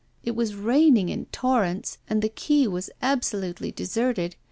It was raining in torrents, and the quay was absolutely deserted.